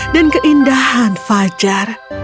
dan keindahan fajar